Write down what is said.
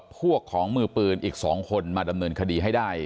พวกของมือปืนอีก๒คนมาดำเนินคดีให้ได้